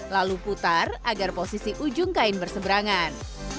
lalu putar agar posisi ujung kain berseberangan